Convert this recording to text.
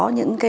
những nguy hiểm